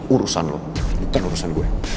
urusan lo bukan urusan gue